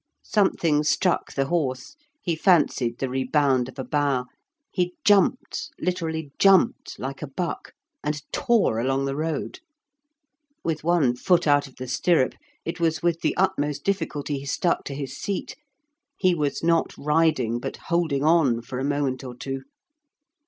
Something struck the horse, he fancied the rebound of a bough; he jumped, literally jumped, like a buck, and tore along the road. With one foot out of the stirrup, it was with the utmost difficulty he stuck to his seat; he was not riding, but holding on for a moment or two.